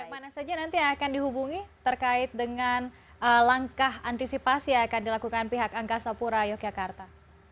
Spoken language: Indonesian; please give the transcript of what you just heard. mana saja nanti yang akan dihubungi terkait dengan langkah antisipasi yang akan dilakukan pihak angkasa pura yogyakarta